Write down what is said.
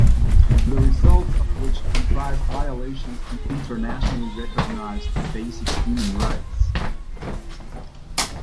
The results of which comprised violations to internationally recognized basic human rights.